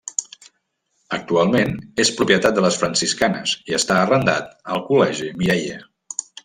Actualment és propietat de les Franciscanes i està arrendat al Col·legi Mireia.